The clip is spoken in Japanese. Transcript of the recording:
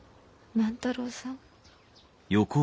・・万太郎さん？